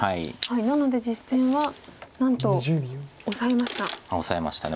なので実戦はなんとオサえました。